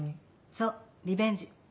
そうリベンジ。